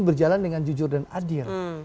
berjalan dengan jujur dan adil